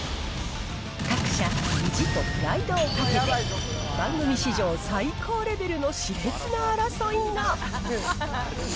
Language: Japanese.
各社、意地とプライドをかけて、番組史上最高レベルのしれつな争いが。